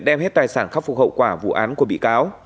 đem hết tài sản khắc phục hậu quả vụ án của bị cáo